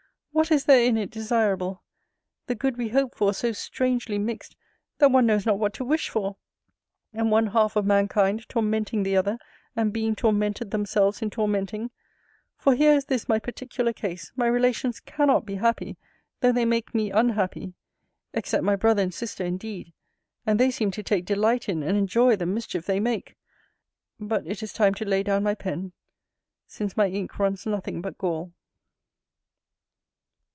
What is there in it desirable? The good we hope for, so strangely mixed, that one knows not what to wish for! And one half of mankind tormenting the other, and being tormented themselves in tormenting! For here is this my particular case, my relations cannot be happy, though they make me unhappy! Except my brother and sister, indeed and they seem to take delight in and enjoy the mischief they make. But it is time to lay down my pen, since my ink runs nothing but gall.